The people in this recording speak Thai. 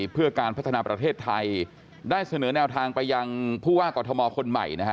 เพื่อการพัฒนาประเทศไทยได้เสนอแนวทางไปยังผู้ว่ากอทมคนใหม่นะฮะ